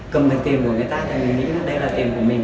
cầm được tiền của người ta thì mình nghĩ là đây là tiền của mình